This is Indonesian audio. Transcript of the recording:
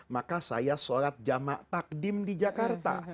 maka saya sholat jamak takdim di jakarta